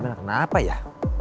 mel kenapa ya